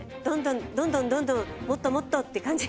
どんどんどんどんもっともっとって感じに。